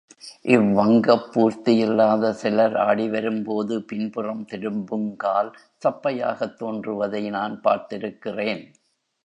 இவ்வங்கப் பூர்த்தியில்லாத சிலர் ஆடிவரும்போது பின்புறம் திரும்புங்கால் சப்பையாகத் தோன்றுவதை நான் பார்த்திருக்கிறேன்.